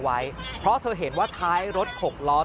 แล้วเมื่อกี้แลนด์มันอยู่ตรงเรา